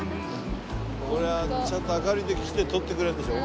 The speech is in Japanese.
これはちゃんと明るい時来て撮ってくれるんでしょう？